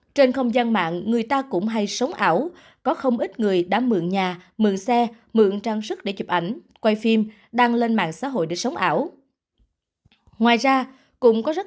trên không gian mạng người ta cũng hay sống ảo có không ít người đã mượn nhà mượn xe mượn trang sức để chụp ảnh quay phim đăng lên mạng xã hội để sống ảo